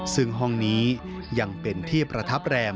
ซึ่งห้องนี้ยังเป็นที่ประทับแรม